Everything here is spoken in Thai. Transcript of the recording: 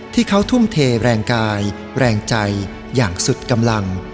ที่เขาทุ่มเทแรงกายแรงใจอย่างสุดกำลัง